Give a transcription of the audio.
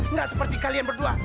nggak seperti kalian berdua